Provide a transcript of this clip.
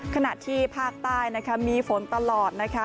ขณะที่ภาคใต้มีฝนตลอด